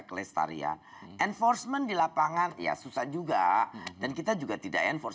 selesai mestarian enforcement dilapangan ya susah juga dan kita juga tidak enforce